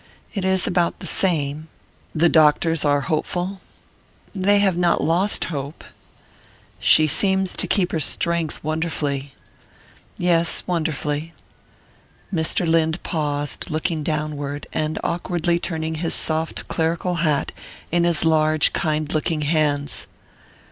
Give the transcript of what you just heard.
"It is about the same." "The doctors are hopeful?" "They have not lost hope." "She seems to keep her strength wonderfully." "Yes, wonderfully." Mr. Lynde paused, looking downward, and awkwardly turning his soft clerical hat in his large kind looking hands.